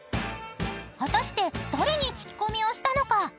［果たして誰に聞き込みをしたのか？］